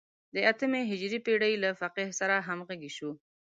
د اتمې هجري پېړۍ له فقیه سره همغږي شو.